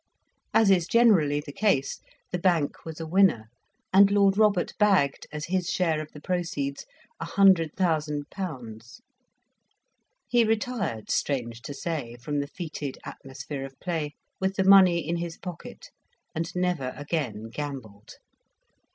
As is generally the case, the bank was a winner, and Lord Robert bagged, as his share of the proceeds, 100,000£. He retired, strange to say, from the foetid atmosphere of play, with the money in his pocket, and never again gambled.